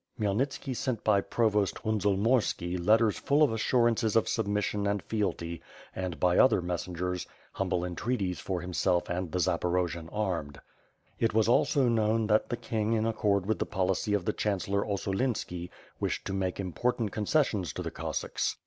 Khmyelnitski sent by provost Hunzel Mokrski letters full of assurances of submission and fealty an'd' by other messengers, humble entreaties for himself and the Zaporojian armed. It was also known that the King in accord with the policy of the chancellor Ossolinski wished to make important concessions to the Cossacks.